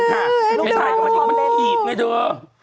นี่ดู